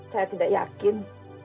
saya tidak yakin